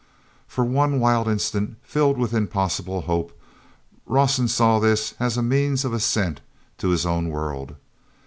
For one wild instant, filled with impossible hope, Rawson saw this as a means of ascent to his own world.